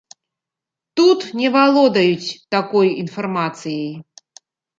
Тут не валодаюць такой інфармацыяй!